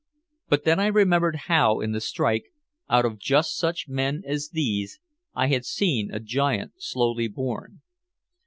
But then I remembered how in the strike, out of just such men as these, I had seen a giant slowly born.